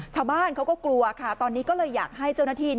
ชาวบ้านเขาก็กลัวค่ะตอนนี้ก็เลยอยากให้เจ้าหน้าที่